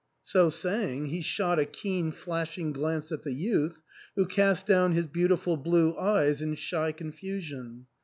So saying, he shot a keen flashing glance at the youth, who cast down his beautiful blue eyes in shy confusion.